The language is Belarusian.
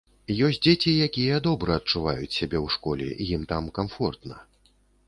Ёсць дзеці, якія добра адчуваюць сябе ў школе, ім там камфортна.